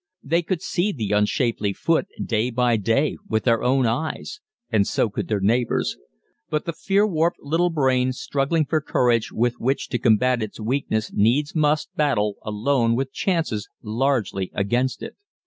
They could see the unshapely foot day by day with their own eyes and so could their neighbors. But the fear warped little brain struggling for courage with which to combat its weakness needs must battle alone with chances largely against it.